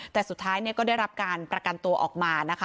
แต่สุดท้ายก็ได้รับการประกันตัวออกมานะคะ